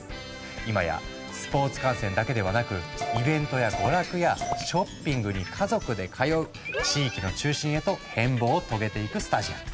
今やスポーツ観戦だけではなくイベントや娯楽やショッピングに家族で通う地域の中心へと変貌を遂げていくスタジアム。